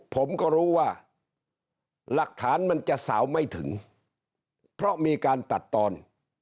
ผมก็รู้ว่าหลักฐานมันจะสาวไม่ถึงเพราะมีการตัดตอน